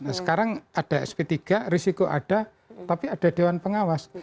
nah sekarang ada sp tiga risiko ada tapi ada dewan pengawas